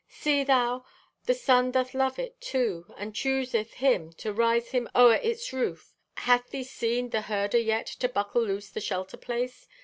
"See thou! The sun doth love it, too, and chooseth him to rise him o'er its roof! Hath thee seen the herder yet to buckle loose the shelter place?